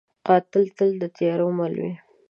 قاتل تل د تیارو مل وي